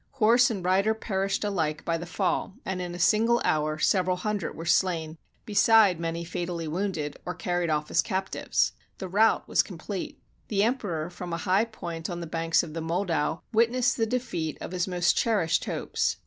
Horse and rider perished ahke by the fall, and in a single hour several hundred were slain, beside many fatally wounded, or carried off as captives. The rout was complete. The Emperor, from a high point on the banks of the Moldau, witnessed the defeat of his most cherished hopes.